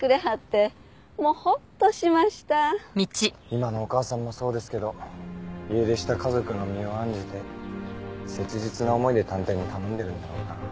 今のお母さんもそうですけど家出した家族の身を案じて切実な思いで探偵に頼んでるんだろうな。